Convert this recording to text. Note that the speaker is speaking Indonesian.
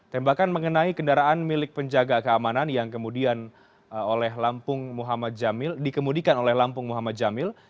tembakan mengenai kendaraan milik penjaga keamanan yang kemudian dikemudikan oleh lampung muhammad jamil